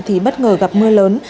thì bất ngờ gặp mưa lớn